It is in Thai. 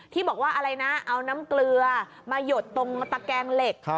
ที่บอกว่าอะไรนะเอาน้ำเกลือมาหยดตรงตะแกงเหล็ก